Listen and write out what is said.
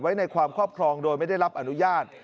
ในความครอบครองโดยไม่ได้รับอนุญาต